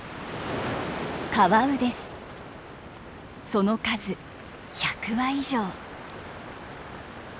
その数１００羽以上。